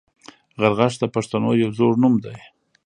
غرغښت د پښتنو یو زوړ نوم دی